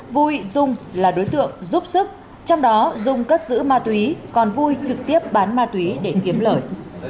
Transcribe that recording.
vui dung là đối tượng giúp sức trong đó dung cất giữ ma túy còn vui trực tiếp bán ma túy để kiếm lời